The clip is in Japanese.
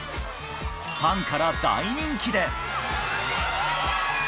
ファンから大人気で。